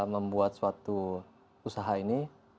membuat suatu usaha ini